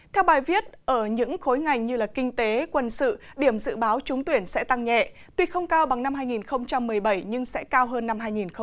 theo bài viết ở những khối ngành như kinh tế quân sự điểm dự báo trúng tuyển sẽ tăng nhẹ tuy không cao bằng năm hai nghìn một mươi bảy nhưng sẽ cao hơn năm hai nghìn một mươi tám